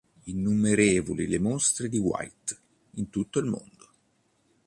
Innumerevoli le mostre di White in tutto il mondo.